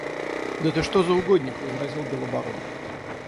– Да ты что за угодник? – возразил Белобородов.